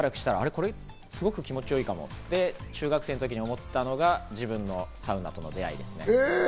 これすごく気持ち良いかもって、中学生の時に思ったのが自分のサウナとの出会いです。